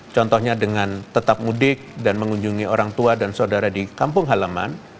contohnya dengan tetap mudik dan mengunjungi orang tua dan saudara di kampung halaman